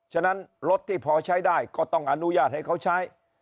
ฉะนั้นรถที่พอใช้ได้ก็ต้องอนุญาตให้เขาใช้